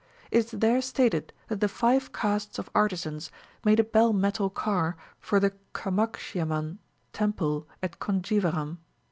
It is there stated that the five castes of artisans made a bell metal car for the Kamakshiamman temple at Conjeeveram.